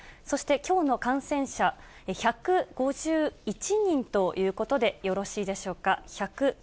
そしてきょうの感染者、１５１人ということで、よろしいでしょうか。